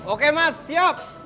oke mas siap